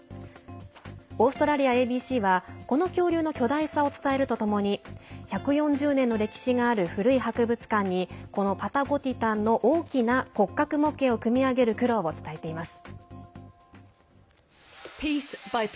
オーストラリアＡＢＣはこの恐竜の巨大さを伝えるとともに１４０年の歴史がある古い博物館にこのパタゴティタンの大きな骨格模型を組み上げる苦労を伝えています。